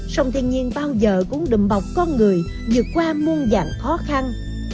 sông thiên nhiên bao giờ cũng đùm bọc con người vượt qua muôn dạng khó khăn